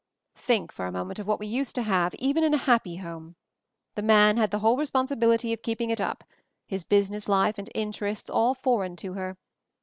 "Think for a moment of what we used to have — even in a 'happy home.' The man had the whole responsibility of keeping it up — his business life and interests all for eign to her.